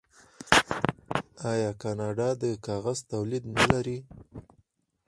آیا کاناډا د کاغذ تولیدات نلري؟